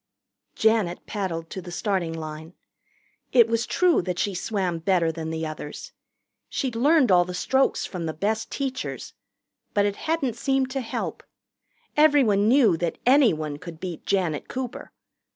Janet paddled to the starting line. It was true that she swam better than the others. She'd learned all the strokes from the best teachers. But it hadn't seemed to help. Everyone knew that anyone could beat Janet Cooper.